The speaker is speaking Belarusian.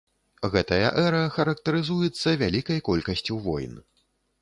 Гэтая эра характарызуецца вялікай колькасцю войн.